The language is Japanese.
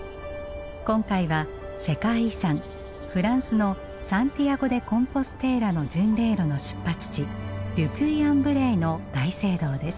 今回は世界遺産フランスのサンティアゴ・デ・コンポステーラの巡礼路の出発地ル・ピュイ・アン・ヴレイの大聖堂です。